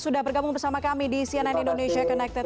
sudah bergabung bersama kami di cnn indonesia connected